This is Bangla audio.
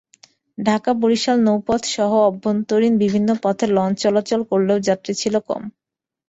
ঢাকা-বরিশাল নৌপথসহ অভ্যন্তরীণ বিভিন্ন পথে লঞ্চ চলাচল করলেও যাত্রী ছিল কম।